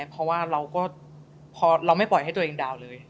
เพราะว่าเราไม่ปล่อยให้ตัวเองดาวน์เลย